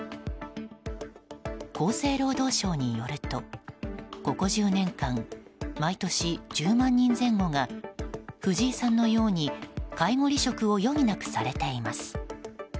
厚生労働省によるとここ１０年間毎年１０万人前後が藤井さんのように介護離職を余儀なくされています。